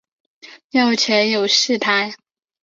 庙前有戏台。